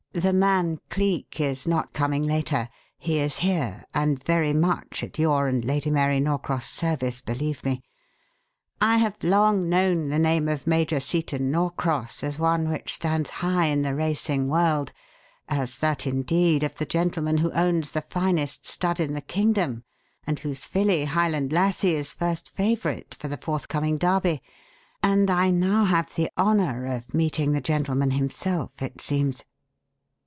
The 'man Cleek' is not coming later he is here, and very much at your and Lady Mary Norcross' service, believe me. I have long known the name of Major Seton Norcross as one which stands high in the racing world as that, indeed, of the gentleman who owns the finest stud in the kingdom and whose filly, Highland Lassie, is first favourite for the forthcoming Derby and I now have the honour of meeting the gentleman himself, it seems."